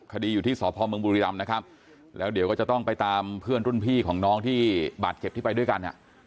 คดีอยู่ที่สพเมืองบุรีรำนะครับแล้วเดี๋ยวก็จะต้องไปตามเพื่อนรุ่นพี่ของน้องที่บาดเจ็บที่ไปด้วยกันอ่ะ